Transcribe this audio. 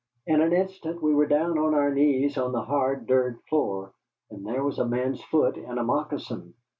In an instant we were down on our knees on the hard dirt floor, and there was a man's foot in a moccasin!